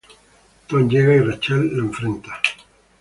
Tom llega y Rachel lo enfrenta.